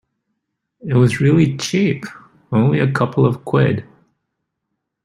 It was really cheap! Only a couple of quid!